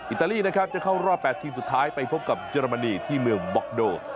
ตาลีนะครับจะเข้ารอบ๘ทีมสุดท้ายไปพบกับเยอรมนีที่เมืองบ็อกโด